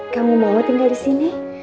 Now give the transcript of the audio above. kamu mau tinggal disini